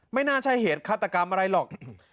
ไม่น่าใช่เหตุฆาตกรรมอะไรหรอก